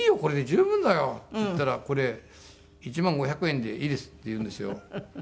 十分だよ！」って言ったら「これ１万５００円でいいです」って言うんですよ。